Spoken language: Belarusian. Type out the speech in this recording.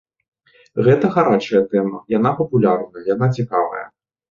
Гэта гарачая тэма, яна папулярная, яна цікавая.